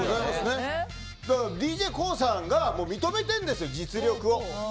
ＤＪＫＯＯさんが認めてるんですよ、実力を。